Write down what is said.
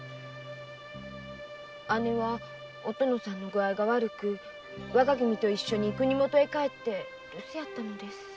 姉はお殿さんの具合が悪く若君と一緒に国もとに帰って留守やったんです。